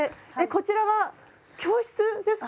こちらは教室ですか？